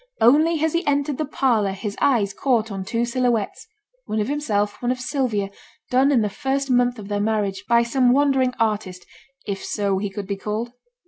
Only as he entered the parlour his eyes caught on two silhouettes, one of himself, one of Sylvia, done in the first month of their marriage, by some wandering artist, if so he could be called.